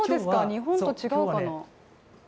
日本と違うかな。